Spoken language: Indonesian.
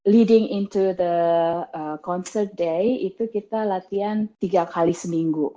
leading into the uh concert day itu kita latihan tiga kali seminggu